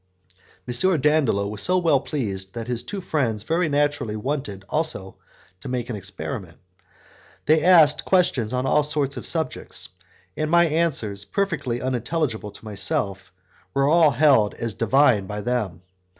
M. Dandolo was so well pleased that his two friends very naturally wanted also to make an experiment. They asked questions on all sorts of subjects, and my answers, perfectly unintelligible to myself, were all held as Divine by them.